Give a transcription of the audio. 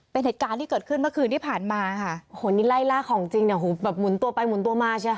เป็นเหตุการณ์ที่เกิดขึ้นเมื่อคืนที่ผ่านมาค่ะโหนี่ไล่ล่าของจริงเนี่ยหูแบบหมุนตัวไปหมุนตัวมาใช่ไหมค